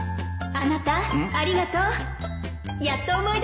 ・あなたありがとう